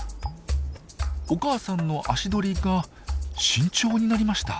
お母さんの足取りが慎重になりました。